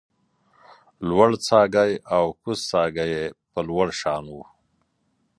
برڅاګی او کوزڅاګی یې په لوړ شان و